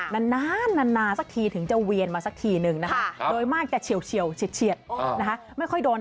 นานสักทีถึงจะเวียนมาสักทีนึงนะคะโดยมากจะเฉียวเฉียดไม่ค่อยโดน